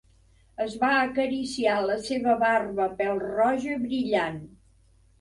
Es va acariciar la seva barba pèl-roja brillant.